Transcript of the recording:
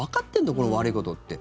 これ、悪いことって。